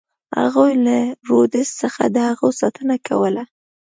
هغوی له رودز څخه د هغو ساتنه کوله.